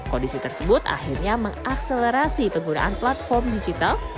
kondisi tersebut akhirnya mengakselerasi penggunaan platform digital